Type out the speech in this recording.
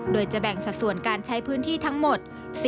โดยจะแบ่งสัดส่วนการใช้พื้นที่ทั้งหมด